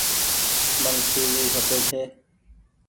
مين سي وي کپي ڇي۔